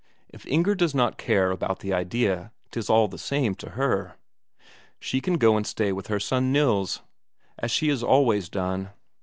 If Inger does not care about the idea, 'tis all the same to her. She can go and stay with her son Nils, as she has always done.